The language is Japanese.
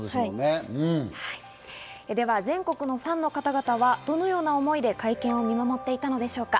では、全国のファンの方々はどのような思いで会見を見守っていたのでしょうか。